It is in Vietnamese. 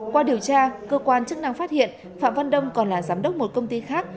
qua điều tra cơ quan chức năng phát hiện phạm văn đông còn là giám đốc một công ty khác